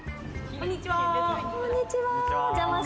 こんにちは。